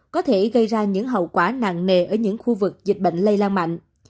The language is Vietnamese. có thể gây ra những hậu quả nặng nề ở những khu vực dịch bệnh lây lan mạnh